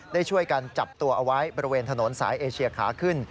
ได้ช่วยกันจับตัวเอาไว้บริเวณถนนสายเอเชียขาขึ้น